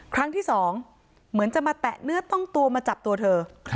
ครั้งที่สองเหมือนจะมาแตะเนื้อต้องตัวมาจับตัวเธอ